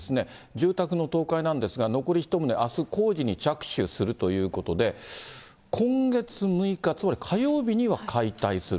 住宅の倒壊なんですが、残り１棟、あす工事に着手するということで、今月６日、つまり火曜日には解体する。